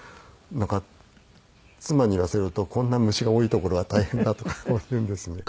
なんか妻に言わせると「こんな虫が多い所は大変だ」とかこう言うんですね。